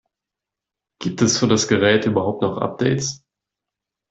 Gibt es für das Gerät überhaupt noch Updates?